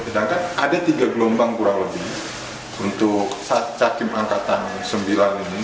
sedangkan ada tiga gelombang kurang lebih untuk cakim angkatan sembilan ini